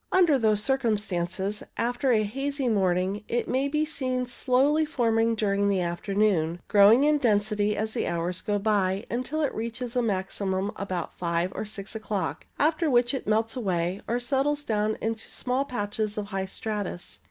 Under those circumstances, after a hazy morning, it may be seen slowly forming during the afternoon, growing in density as the hours go by, until it reaches a maximum about five or six o'clock, after which it melts away, or settles down into small patches of high stratus.